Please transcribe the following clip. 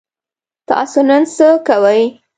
تاسو نن څه کوئ؟